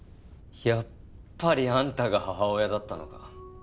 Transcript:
やっぱりあんたが母親だったのか。